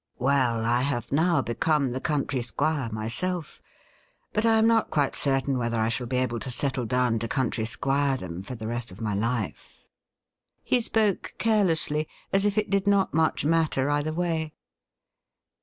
Well, I have now become the country squire myself — ^but I am not quite certain whether I shall be able to settle down to country squiredom for the rest of my life.' He spoke carelessly, as if it did not much matter either way.